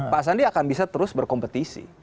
pak sandi akan bisa terus berkompetisi